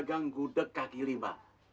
bisa menyekolahkan anaknya sampai ke amerika